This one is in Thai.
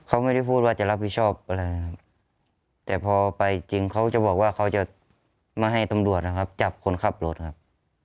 เขาไม่ได้พูดว่าจะรับผิดชอบอะไรนะครับแต่พอไปจริงเขาจะบอกว่าเขาจะมาให้ตำรวจนะครับจับคนขับรถครับ